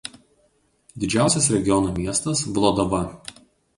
Didžiausias regiono miestas Vlodava.